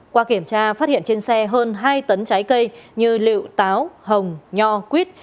qua kiểm tra phát hiện trên xe hơn hai tấn trái cây như lựu táo hồng nho quyết